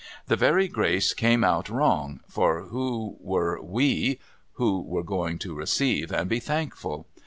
The very Grace came out wrong, for who v> ere 'we' who were going to receive and be thankful